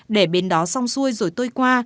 để bên đó xong xuôi rồi tôi qua